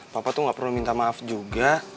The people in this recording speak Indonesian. papa tuh gak perlu minta maaf juga